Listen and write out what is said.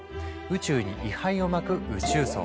宇宙に遺灰をまく宇宙葬。